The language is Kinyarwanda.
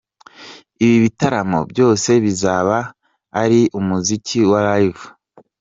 Ibi bitaramo byose bizaba ari umuziki wa Live.